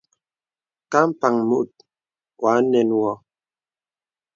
Ka mpàŋ mùt wa nə̀n wɔ.